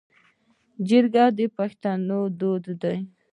جرګه د پښتنو دود دی